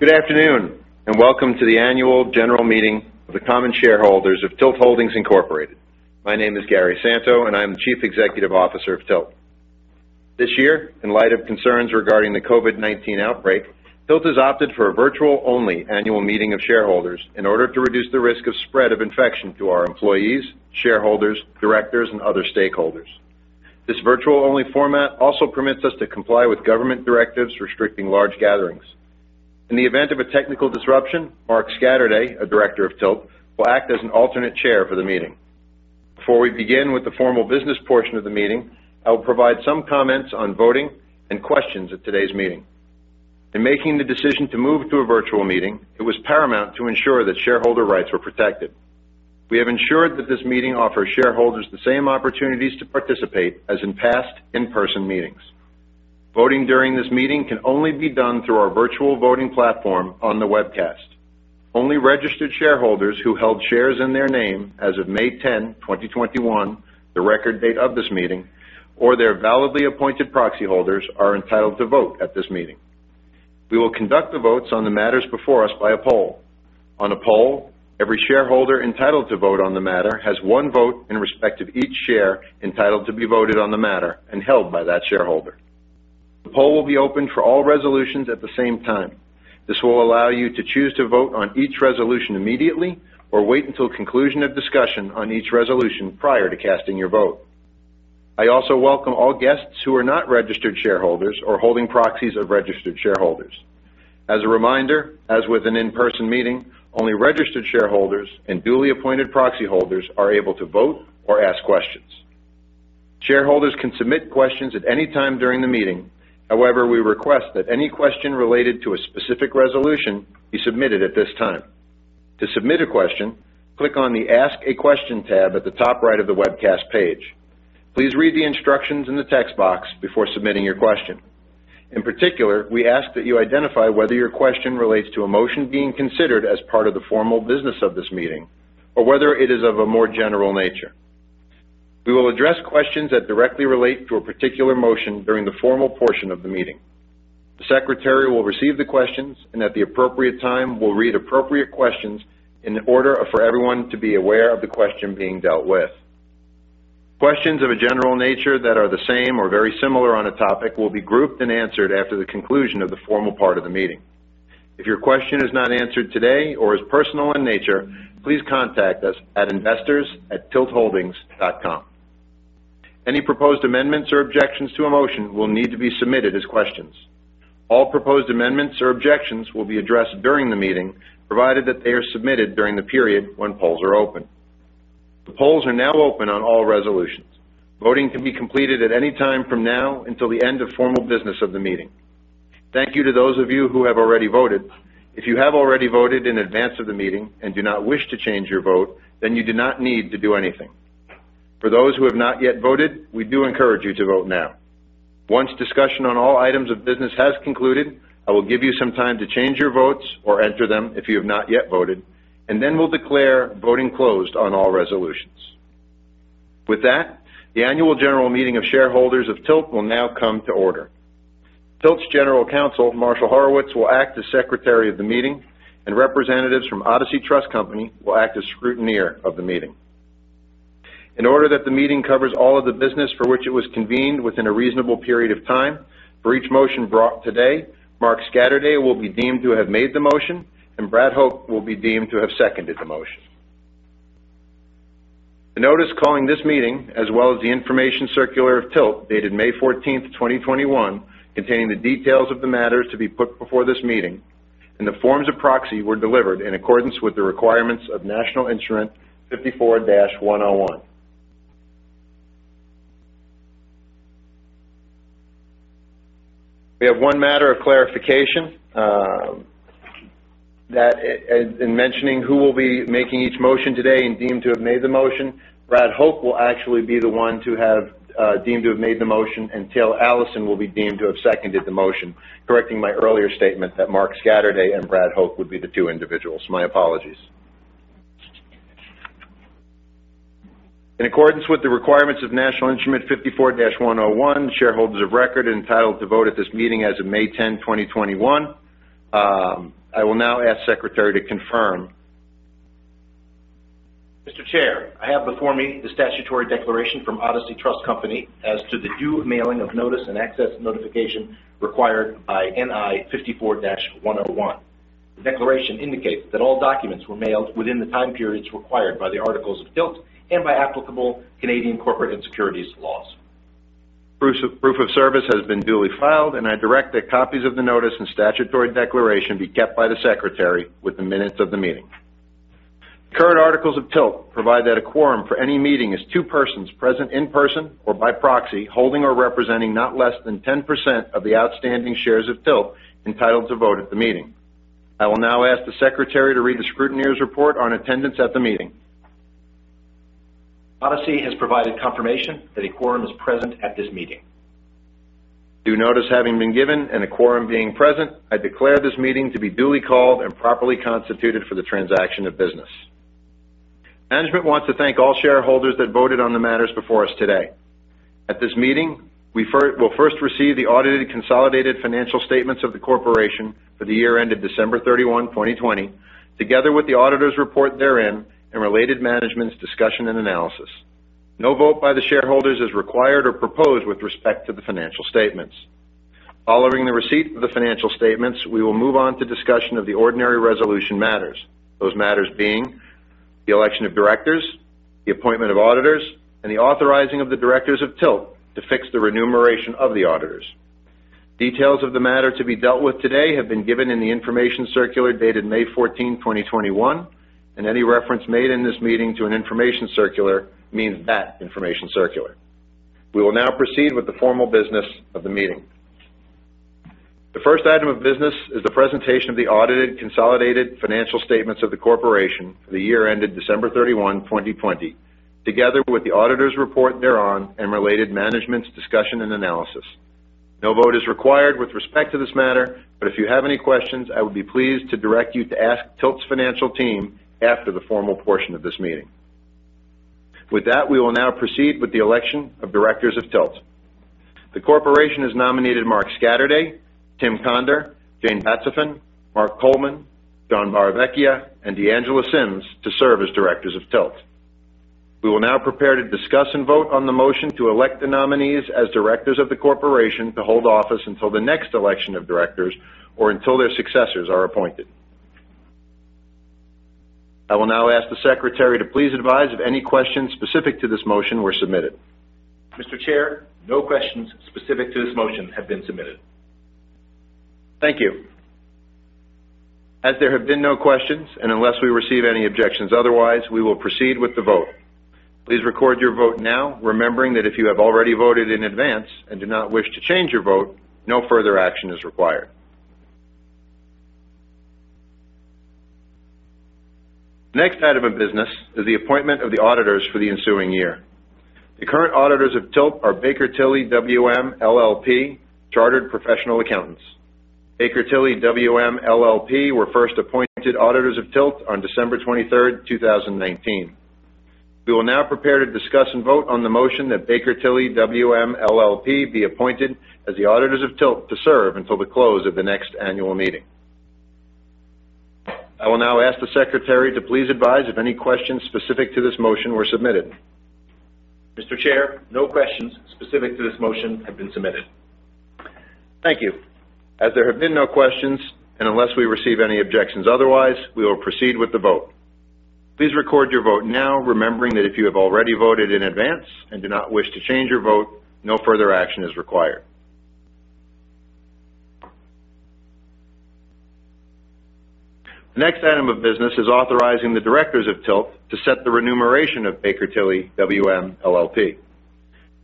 Good afternoon, welcome to the annual general meeting of the common shareholders of TILT Holdings Inc. My name is Gary Santo, and I'm the Chief Executive Officer of TILT. This year, in light of concerns regarding the COVID-19 outbreak, TILT has opted for a virtual only annual meeting of shareholders in order to reduce the risk of spread of infection to our employees, shareholders, Directors, and other stakeholders. This virtual only format also permits us to comply with government directives restricting large gatherings. In the event of a technical disruption, Mark Scatterday, a director of TILT, will act as an alternate chair for the meeting. Before we begin with the formal business portion of the meeting, I will provide some comments on voting and questions at today's meeting. In making the decision to move to a virtual meeting, it was paramount to ensure that shareholder rights were protected. We have ensured that this meeting offers shareholders the same opportunities to participate as in past in-person meetings. Voting during this meeting can only be done through our virtual voting platform on the webcast. Only registered shareholders who held shares in their name as of May 10, 2021, the record date of this meeting, or their validly appointed proxy holders are entitled to vote at this meeting. We will conduct the votes on the matters before us by a poll. On a poll, every shareholder entitled to vote on the matter has one vote in respect of each share entitled to be voted on the matter and held by that shareholder. The poll will be open for all resolutions at the same time. This will allow you to choose to vote on each resolution immediately or wait until conclusion of discussion on each resolution prior to casting your vote. I also welcome all guests who are not registered shareholders or holding proxies of registered shareholders. As a reminder, as with an in-person meeting, only registered shareholders and duly appointed proxy holders are able to vote or ask questions. Shareholders can submit questions at any time during the meeting. We request that any question related to a specific resolution be submitted at this time. To submit a question, click on the Ask a Question tab at the top right of the webcast page. Please read the instructions in the text box before submitting your question. We ask that you identify whether your question relates to a motion being considered as part of the formal business of this meeting, or whether it is of a more general nature. We will address questions that directly relate to a particular motion during the formal portion of the meeting. The secretary will receive the questions and, at the appropriate time, will read appropriate questions in order for everyone to be aware of the question being dealt with. Questions of a general nature that are the same or very similar on a topic will be grouped and answered after the conclusion of the formal part of the meeting. If your question is not answered today or is personal in nature, please contact us at investors@tiltholdings.com. Any proposed amendments or objections to a motion will need to be submitted as questions. All proposed amendments or objections will be addressed during the meeting, provided that they are submitted during the period when polls are open. The polls are now open on all resolutions. Voting can be completed at any time from now until the end of formal business of the meeting. Thank you to those of you who have already voted. If you have already voted in advance of the meeting and do not wish to change your vote, then you do not need to do anything. For those who have not yet voted, we do encourage you to vote now. Once discussion on all items of business has concluded, I will give you some time to change your votes or enter them if you have not yet voted, we'll declare voting closed on all resolutions. With that, the annual general meeting of shareholders of TILT will now come to order. TILT's General Counsel, Marshall Horowitz, will act as Secretary of the meeting, representatives from Odyssey Trust Company will act as scrutineer of the meeting. In order that the meeting covers all of the business for which it was convened within a reasonable period of time, for each motion brought today, Mark Scatterday will be deemed to have made the motion, and Brad Hoch will be deemed to have seconded the motion. The notice calling this meeting, as well as the information circular of TILT, dated May 14th 2021, containing the details of the matters to be put before this meeting and the forms of proxy were delivered in accordance with the requirements of National Instrument 54-101. We have one matter of clarification, that in mentioning who will be making each motion today and deemed to have made the motion, Brad Hoch will actually be the one to have deemed to have made the motion, and Taylor Allison will be deemed to have seconded the motion. Correcting my earlier statement that Mark Scatterday and Brad Hoch would be the two individuals. My apologies. In accordance with the requirements of National Instrument 54-101, shareholders of record entitled to vote at this meeting as of May 10, 2021. I will now ask Secretary to confirm. Mr. Chair, I have before me the statutory declaration from Odyssey Trust Company as to the due mailing of notice and access notification required by NI 54-101. The declaration indicates that all documents were mailed within the time periods required by the articles of TILT and by applicable Canadian corporate and securities laws. Proof of service has been duly filed, and I direct that copies of the notice and statutory declaration be kept by the secretary with the minutes of the meeting. Current articles of TILT provide that a quorum for any meeting is two persons present in person or by proxy, holding or representing not less than 10% of the outstanding shares of TILT entitled to vote at the meeting. I will now ask the secretary to read the scrutineer's report on attendance at the meeting. Odyssey has provided confirmation that a quorum is present at this meeting. Due notice having been given and a quorum being present, I declare this meeting to be duly called and properly constituted for the transaction of business. Management wants to thank all shareholders that voted on the matters before us today. At this meeting, we'll first receive the audited consolidated financial statements of the corporation for the year ended December 31, 2020, together with the auditor's report therein and related management's discussion and analysis. No vote by the shareholders is required or proposed with respect to the financial statements. Following the receipt of the financial statements, we will move on to discussion of the ordinary resolution matters. Those matters being the election of directors, the appointment of auditors, and the authorizing of the directors of TILT to fix the remuneration of the auditors. Details of the matter to be dealt with today have been given in the information circular dated May 14, 2021, and any reference made in this meeting to an information circular means that information circular. We will now proceed with the formal business of the meeting. The first item of business is the presentation of the audited consolidated financial statements of the corporation for the year ended December 31, 2020, together with the auditor's report thereon and related management's discussion and analysis. No vote is required with respect to this matter, but if you have any questions, I would be pleased to direct you to ask TILT's financial team after the formal portion of this meeting. With that, we will now proceed with the election of directors of TILT. The corporation has nominated Mark Scatterday, Tim Conder, Jane Hatzis, Mark Coleman, John Barravecchia, and D'Angela Simms to serve as directors of TILT. We will now prepare to discuss and vote on the motion to elect the nominees as directors of the corporation to hold office until the next election of directors or until their successors are appointed. I will now ask the secretary to please advise if any questions specific to this motion were submitted. Mr. Chair, no questions specific to this motion have been submitted. Thank you. As there have been no questions, and unless we receive any objections otherwise, we will proceed with the vote. Please record your vote now, remembering that if you have already voted in advance and do not wish to change your vote, no further action is required. The next item of business is the appointment of the auditors for the ensuing year. The current auditors of TILT are Baker Tilly WM LLP, chartered professional accountants. Baker Tilly WM LLP were first appointed auditors of TILT on December 23rd, 2019. We will now prepare to discuss and vote on the motion that Baker Tilly WM LLP be appointed as the auditors of TILT to serve until the close of the next annual meeting. I will now ask the secretary to please advise if any questions specific to this motion were submitted. Mr. Chair, no questions specific to this motion have been submitted. Thank you. As there have been no questions, and unless we receive any objections otherwise, we will proceed with the vote. Please record your vote now, remembering that if you have already voted in advance and do not wish to change your vote, no further action is required. The next item of business is authorizing the directors of TILT to set the remuneration of Baker Tilly WM LLP.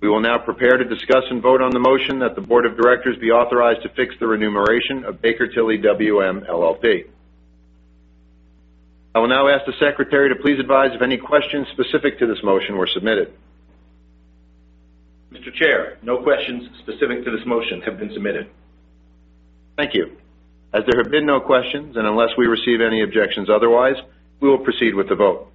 We will now prepare to discuss and vote on the motion that the board of directors be authorized to fix the remuneration of Baker Tilly WM LLP. I will now ask the secretary to please advise if any questions specific to this motion were submitted. Mr. Chair, no questions specific to this motion have been submitted. Thank you. As there have been no questions, and unless we receive any objections otherwise, we will proceed with the vote.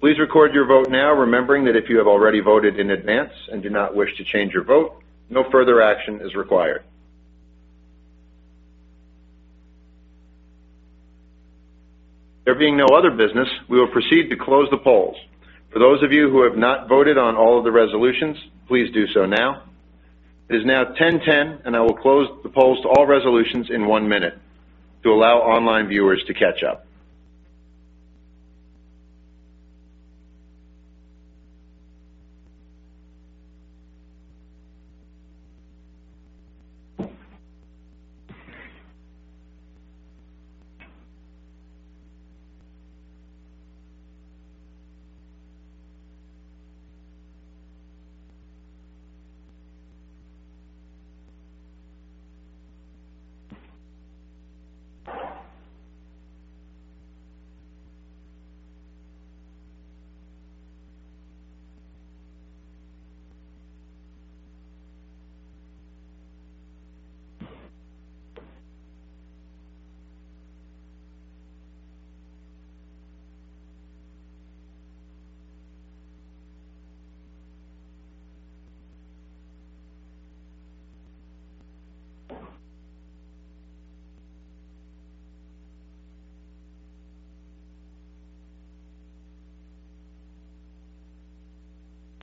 Please record your vote now, remembering that if you have already voted in advance and do not wish to change your vote, no further action is required. There being no other business, we will proceed to close the polls. For those of you who have not voted on all of the resolutions, please do so now. It is now 10:10 A.M., and I will close the polls to all resolutions in one minute to allow online viewers to catch up.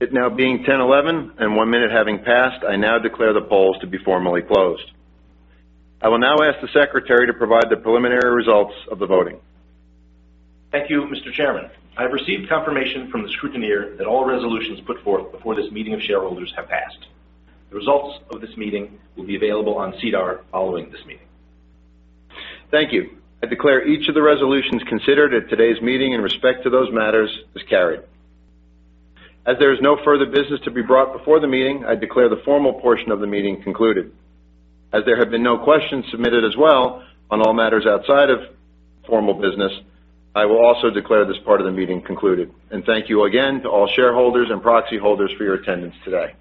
It now being 10:11 A.M. and one minute having passed, I now declare the polls to be formally closed. I will now ask the secretary to provide the preliminary results of the voting. Thank you, Mr. Chairman. I have received confirmation from the scrutineer that all resolutions put forth before this meeting of shareholders have passed. The results of this meeting will be available on SEDAR following this meeting. Thank you. I declare each of the resolutions considered at today's meeting in respect to those matters is carried. As there is no further business to be brought before the meeting, I declare the formal portion of the meeting concluded. As there have been no questions submitted as well on all matters outside of formal business, I will also declare this part of the meeting concluded. Thank you again to all shareholders and proxy holders for your attendance today.